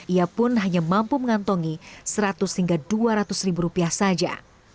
ia pun hanya mampu mengantongi seratus hingga dua ratus ribu rupiah saja